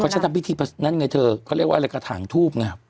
เค้าใช้ทำวิธีนั้นไงเธอเค้าเรียกว่าอะไรกระถางทูบไง